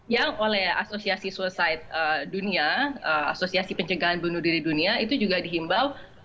yang oleh asosiasi suicide dunia asosiasi pencegahan bunuh diri dunia itu juga dihimbau